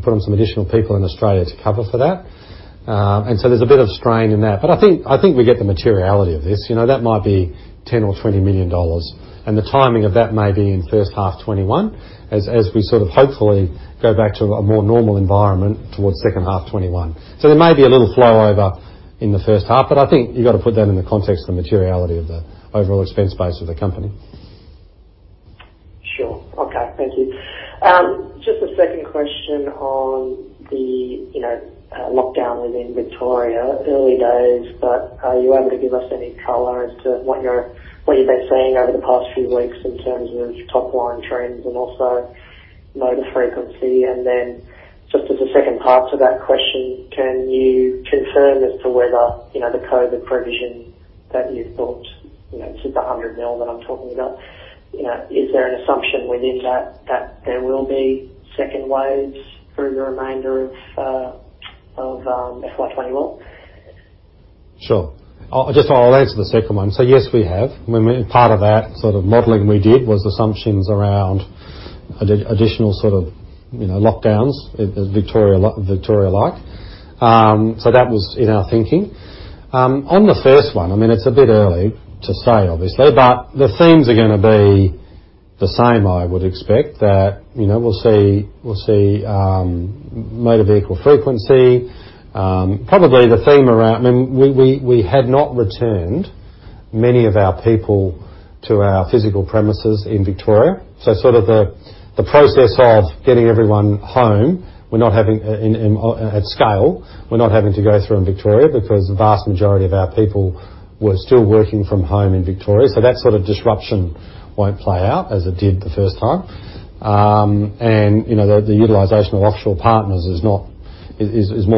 put on some additional people in Australia to cover for that. There's a bit of strain in that. I think we get the materiality of this. That might be 10 million or 20 million dollars, the timing of that may be in first half FY 2021 as we sort of hopefully go back to a more normal environment towards second half FY 2021. There may be a little flow over in the first half, but I think you've got to put that in the context of the materiality of the overall expense base of the company. Sure. Okay. Thank you. Just a second question on the lockdown within Victoria. Early days, but are you able to give us any color as to what you've been seeing over the past few weeks in terms of top line trends and also motor frequency? Then just as a second part to that question, can you confirm as to whether the COVID provision that you've booked, this is the 100 million that I'm talking about, is there an assumption within that there will be second waves through the remainder of FY 2021? Sure. I'll answer the second one. Yes, we have. Part of that sort of modeling we did was assumptions around additional sort of lockdowns, Victoria lockdowns. That was in our thinking. On the first one, it's a bit early to say, obviously, but the themes are going to be the same, I would expect that, we'll see motor vehicle frequency. We had not returned many of our people to our physical premises in Victoria. Sort of the process of getting everyone home at scale, we're not having to go through in Victoria because the vast majority of our people were still working from home in Victoria. That sort of disruption won't play out as it did the first time. The utilization of offshore partners is more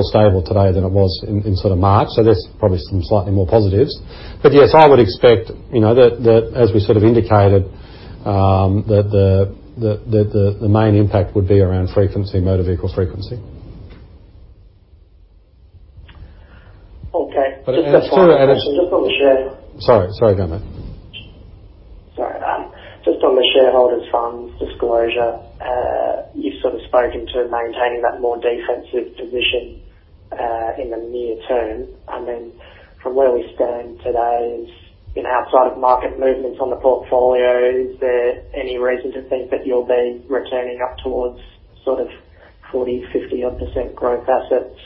stable today than it was in March. There's probably some slightly more positives. Yes, I would expect that as we sort of indicated, that the main impact would be around motor vehicle frequency. Okay. Just a final question. Sorry, go on, Ashley. Sorry. Just on the shareholders funds disclosure, you sort of spoken to maintaining that more defensive position, in the near term. From where we stand today is outside of market movements on the portfolio, is there any reason to think that you'll be returning up towards sort of 40%, 50% odd growth assets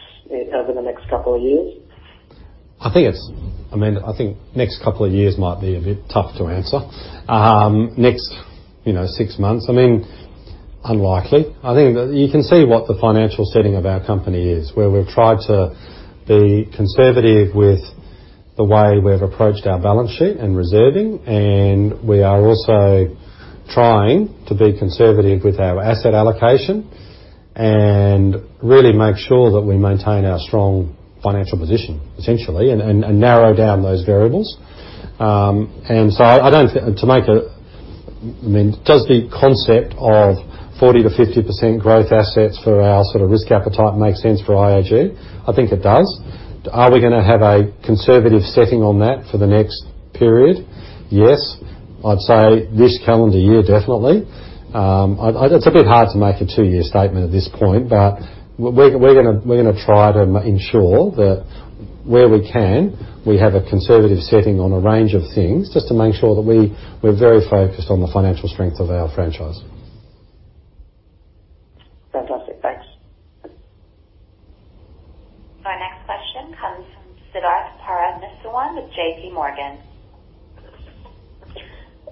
over the next couple of years? I think next couple of years might be a bit tough to answer. Next six months, unlikely. You can see what the financial setting of our company is, where we've tried to be conservative with the way we've approached our balance sheet and reserving, and we are also trying to be conservative with our asset allocation and really make sure that we maintain our strong financial position, essentially, and narrow down those variables. Does the concept of 40%-50% growth assets for our sort of risk appetite make sense for IAG? I think it does. Are we going to have a conservative setting on that for the next period? Yes. I'd say this calendar year, definitely. It's a bit hard to make a two-year statement at this point, but we're going to try to ensure that where we can, we have a conservative setting on a range of things just to make sure that we're very focused on the financial strength of our franchise. Fantastic. Thanks. Our next question comes from Siddharth Parameswaran with J.P. Morgan.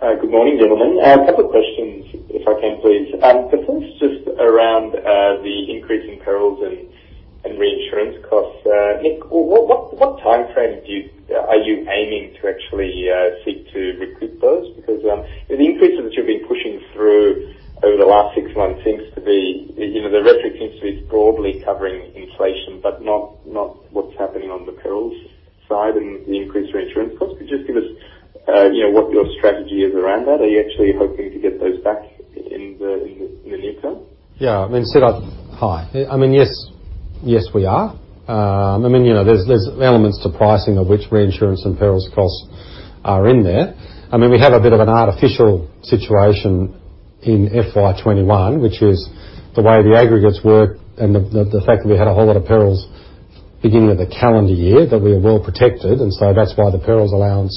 Good morning, gentlemen. A couple of questions, if I can, please. The first just around the increase in perils and reinsurance costs. Nick, what timeframe are you aiming to actually seek to recoup those? Because the increases that you've been pushing through over the last six months seems to be, the rhetoric seems to be broadly covering inflation, but not what's happening on the perils side and the increased reinsurance costs. Could you just give us what your strategy is around that? Are you actually hoping to get those back in the near term? Yeah. Siddharth, hi. Yes, we are. There is elements to pricing of which reinsurance and perils costs are in there. We have a bit of an artificial situation in FY 2021, which is the way the aggregates work and the fact that we had a whole lot of perils beginning of the calendar year, that we are well protected, and so that is why the perils allowance,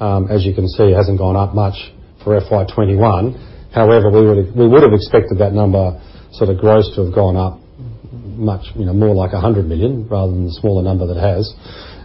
as you can see, has not gone up much for FY 2021. However, we would have expected that number sort of gross to have gone up much more like 100 million rather than the smaller number that it has.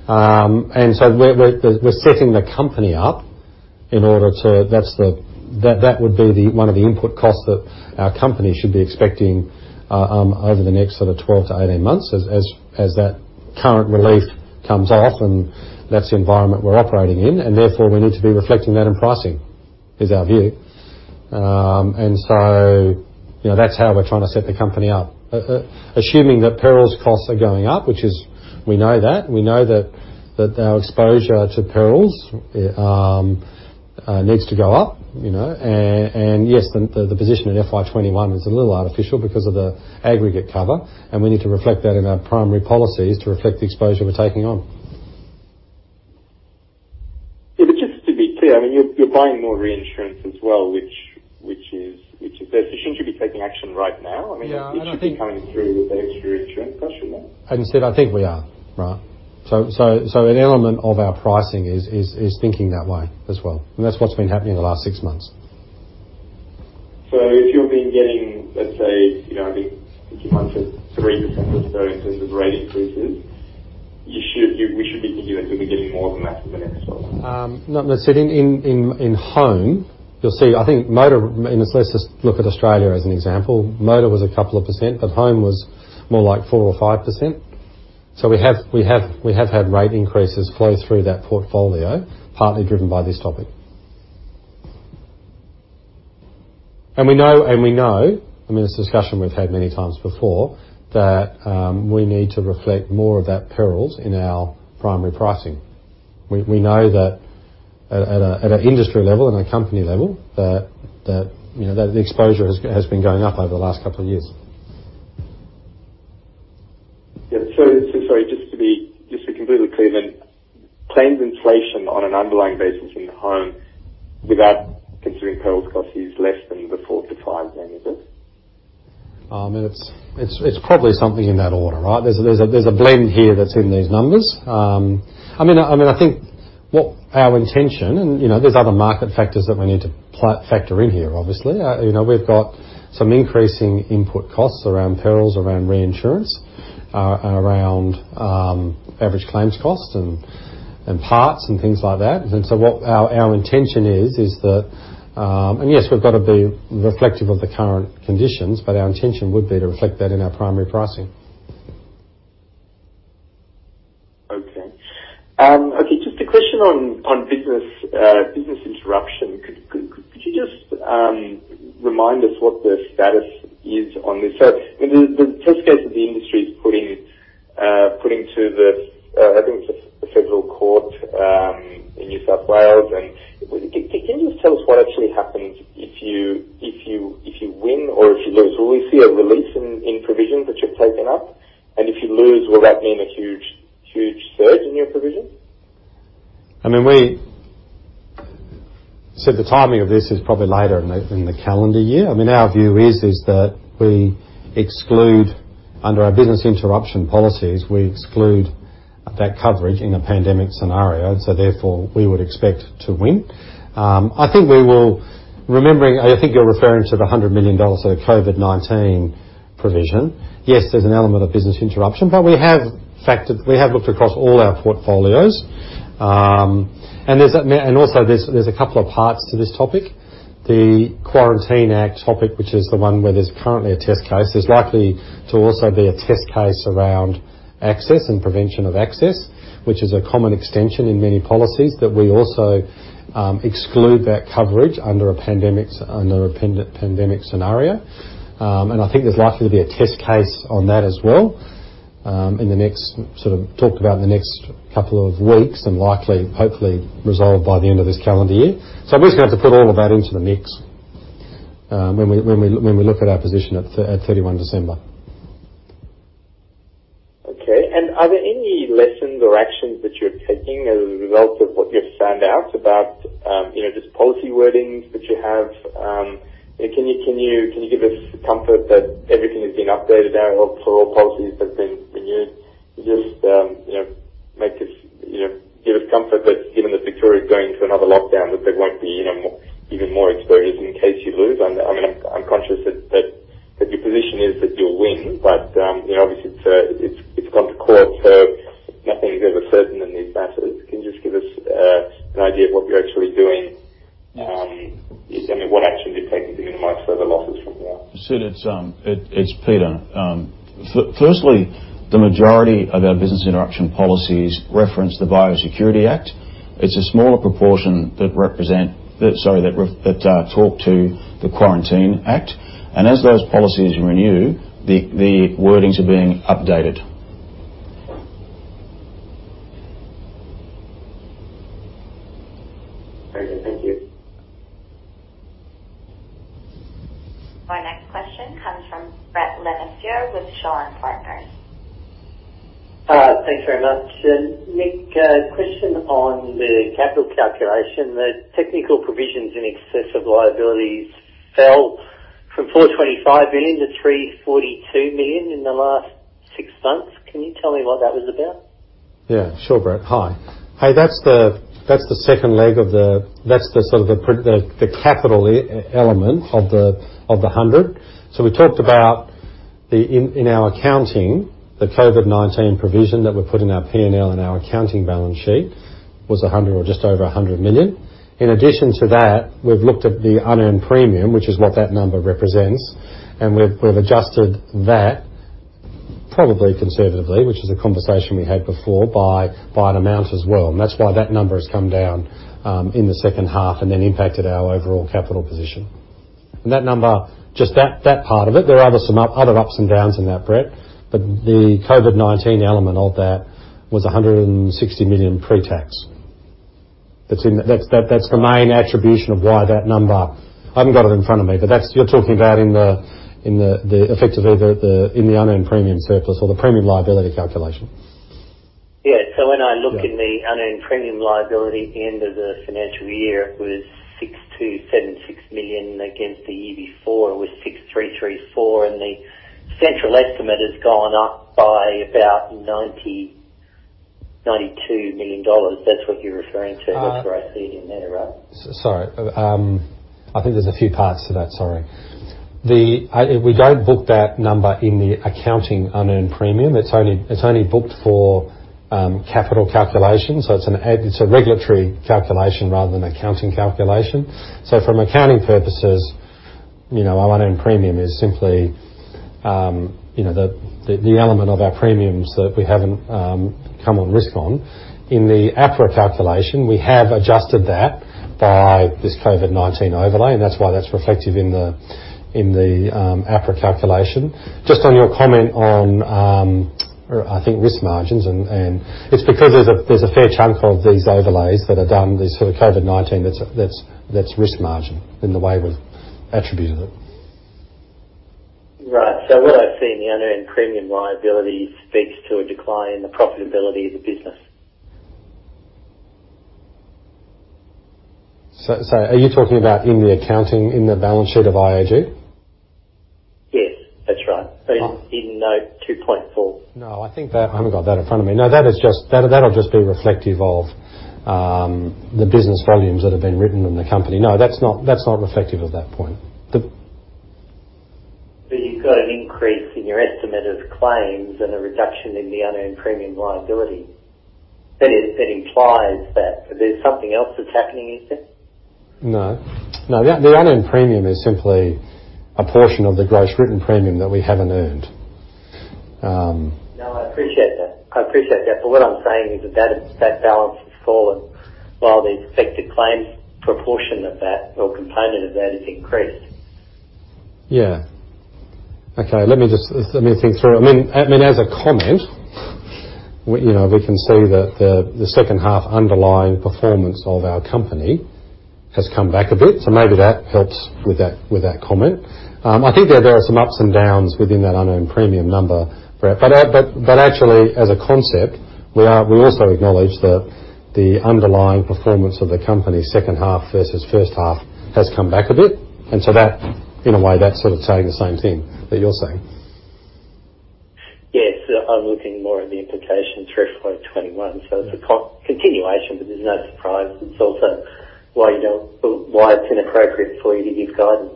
That would be one of the input costs that our company should be expecting over the next sort of 12-18 months as that current relief comes off, and that's the environment we're operating in, and therefore we need to be reflecting that in pricing, is our view. That's how we're trying to set the company up. Assuming that perils costs are going up, which is, we know that our exposure to perils needs to go up. The position in FY 2021 is a little artificial because of the aggregate cover, and we need to reflect that in our primary policies to reflect the exposure we're taking on. Yeah, just to be clear, you're buying more reinsurance as well, which is there. Shouldn't you be taking action right now? Yeah. It should be coming through with the extra reinsurance, shouldn't it? Siddharth, I think we are, right? An element of our pricing is thinking that way as well, and that's what's been happening in the last six months. If you've been getting, let's say, I think you mentioned 3% or so in terms of rate increases, we should be thinking that you'll be getting more than that for the next 12 months. Not necessarily in home. Let's just look at Australia as an example. Motor was a couple of percent, but home was more like 4% or 5%. We have had rate increases flow through that portfolio, partly driven by this topic. We know, this is a discussion we've had many times before, that we need to reflect more of that perils in our primary pricing. We know that at an industry level and a company level that the exposure has been going up over the last couple of years. Sorry, just to be completely clear then, claims inflation on an underlying basis in home without considering perils cost is less than the 4%-5% then, is it? It's probably something in that order, right? There's a blend here that's in these numbers. I think what our intention, and there's other market factors that we need to factor in here, obviously. We've got some increasing input costs around perils, around reinsurance, around average claims costs, and parts and things like that. What our intention is, and yes, we've got to be reflective of the current conditions, but our intention would be to reflect that in our primary pricing. Just a question on business interruption. Could you just remind us what the status is on this, the test case that the industry is putting to the, I think it's the federal court in New South Wales? Can you just tell us what actually happens if you win or if you lose? Will we see a release in provisions that you've taken up, and if you lose, will that mean a huge surge in your provision? Siddharth, the timing of this is probably later in the calendar year. Our view is that we exclude under our business interruption policies, we exclude that coverage in a pandemic scenario, therefore, we would expect to win. I think you're referring to the 100 million dollars of COVID-19 provision. Yes, there's an element of business interruption, we have looked across all our portfolios. Also there's a couple of parts to this topic. The Quarantine Act topic, which is the one where there's currently a test case, there's likely to also be a test case around access and prevention of access, which is a common extension in many policies that we also exclude that coverage under a pandemic scenario. I think there's likely to be a test case on that as well, talked about in the next couple of weeks, and likely, hopefully resolved by the end of this calendar year. I'm just going to have to put all of that into the mix when we look at our position at 31 December. Okay. Are there any lessons or actions that you've found out about, just policy wordings that you have? Can you give us comfort that everything has been updated now for all policies that have been renewed? Just give us comfort that given that Victoria is going into another lockdown, that there won't be even more exposures in case you lose. I'm conscious that your position is that you'll win, but obviously it's gone to court, so nothing's ever certain in these matters. Can you just give us an idea of what you're actually doing? What action you're taking to minimize further losses from there? Siddharth, it's Peter. Firstly, the majority of our business interruption policies reference the Biosecurity Act. It's a smaller proportion that talk to the Quarantine Act. As those policies renew, the wordings are being updated. Very good. Thank you. Our next question comes from Brett Le Mesurier with Shaw and Partners. Thanks very much. Nick, a question on the capital calculation. The technical provisions in excess of liabilities fell from 425 million-342 million in the last six months. Can you tell me what that was about? Yeah, sure, Brett. Hi. That's the second leg of the capital element of the 100. We talked about in our accounting, the COVID-19 provision that we put in our P&L and our accounting balance sheet was 100 or just over 100 million. In addition to that, we've looked at the unearned premium, which is what that number represents, and we've adjusted that probably conservatively, which is a conversation we had before by an amount as well. That's why that number has come down in the second half and then impacted our overall capital position. That number, just that part of it, there are other ups and downs in that, Brett, but the COVID-19 element of that was 160 million pre-tax. That's the main attribution of why that number I haven't got it in front of me, but you're talking about effectively in the unearned premium surplus or the premium liability calculation. When I look in the unearned premium liability at the end of the financial year, it was 6,776 million against the year before it was 6,334 million, and the central estimate has gone up by about 92 million dollars. That is what you are referring to? Uh- That's where I see it in there, right? Sorry. I think there's a few parts to that. We don't book that number in the accounting unearned premium. It's only booked for capital calculation. It's a regulatory calculation rather than accounting calculation. From accounting purposes, our unearned premium is simply the element of our premiums that we haven't come on risk on. In the APRA calculation, we have adjusted that by this COVID-19 overlay, and that's why that's reflective in the APRA calculation. Just on your comment on risk margins, and it's because there's a fair chunk of these overlays that are done, these sort of COVID-19, that's risk margin in the way we've attributed it. Right. What I see in the unearned premium liability speaks to a decline in the profitability of the business. Sorry, are you talking about in the accounting, in the balance sheet of IAG? Yes, that's right. In note 2.4%. No, I think that I haven't got that in front of me. No, that'll just be reflective of the business volumes that have been written in the company. No, that's not reflective of that point. You've got an increase in your estimate of claims and a reduction in the unearned premium liability. That implies that there's something else that's happening, is there? No. The unearned premium is simply a portion of the gross written premium that we haven't earned. No, I appreciate that. I appreciate that. What I'm saying is that balance has fallen while the expected claims proportion of that, or component of that, has increased. Yeah. Okay. Let me think through. I mean, as a comment, we can see that the second half underlying performance of our company has come back a bit, maybe that helps with that comment. I think there are some ups and downs within that unearned premium number, Brett. Actually, as a concept, we also acknowledge that the underlying performance of the company second half versus first half has come back a bit. That, in a way, that's sort of saying the same thing that you're saying. Yes. I'm looking more at the implications for FY 2021, so it's a continuation, but there's no surprise. It's also why it's inappropriate for you to give guidance.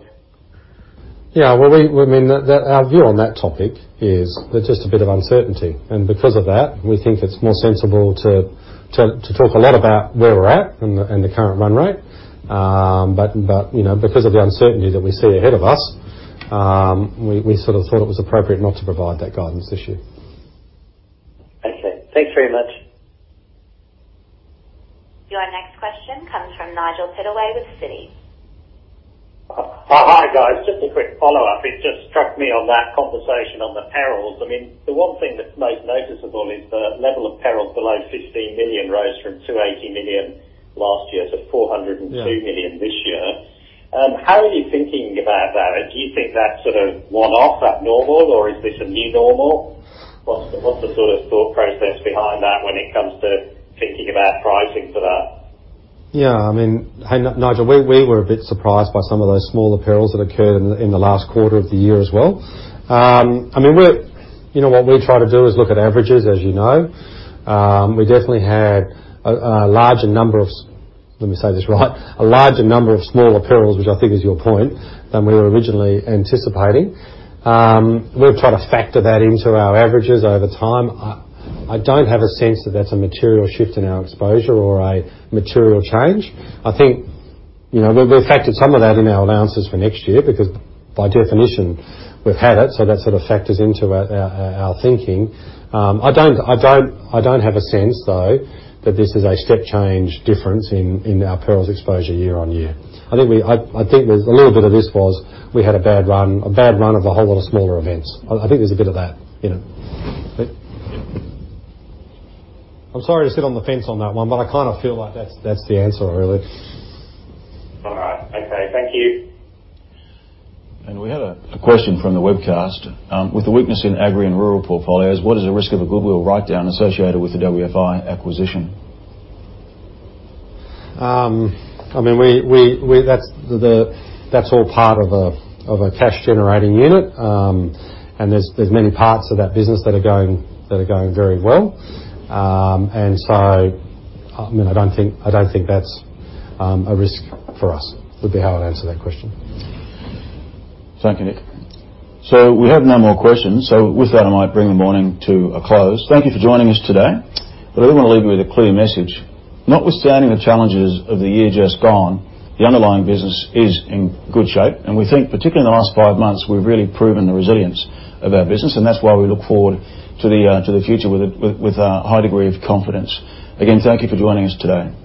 Well, our view on that topic is there's just a bit of uncertainty, and because of that, we think it's more sensible to talk a lot about where we're at and the current run rate. Because of the uncertainty that we see ahead of us, we sort of thought it was appropriate not to provide that guidance this year. Okay. Thanks very much. Your next question comes from Nigel Pittaway with Citi. Hi, guys. Just a quick follow-up. It just struck me on that conversation on the perils. I mean, the one thing that's made noticeable is the level of perils below 15 million rose from 280 million last year to 402 million this year. How are you thinking about that? Do you think that's sort of one-off abnormal, or is this a new normal? What's the sort of thought process behind that when it comes to thinking about pricing for that? I mean, Nigel, we were a bit surprised by some of those smaller perils that occurred in the last quarter of the year as well. I mean, what we try to do is look at averages, as you know. We definitely had a larger number of small perils, which I think is your point, than we were originally anticipating. We'll try to factor that into our averages over time. I don't have a sense that that's a material shift in our exposure or a material change. I think we've factored some of that in our announcements for next year because by definition, we've had it, that sort of factors into our thinking. I don't have a sense, though, that this is a step change difference in our perils exposure year-on-year. I think a little bit of this was we had a bad run of a whole lot of smaller events. I think there's a bit of that in it. I'm sorry to sit on the fence on that one, but I kind of feel like that's the answer, really. All right. Okay. Thank you. We have a question from the webcast. With the weakness in agri and rural portfolios, what is the risk of a goodwill write-down associated with the WFI acquisition? I mean, that's all part of a cash-generating unit, and there's many parts of that business that are going very well. I mean, I don't think that's a risk for us, would be how I'd answer that question. Thank you, Nick. We have no more questions. With that, I might bring the morning to a close. Thank you for joining us today. I do want to leave you with a clear message. Notwithstanding the challenges of the year just gone, the underlying business is in good shape, and we think particularly in the last five months, we've really proven the resilience of our business, and that's why we look forward to the future with a high degree of confidence. Again, thank you for joining us today.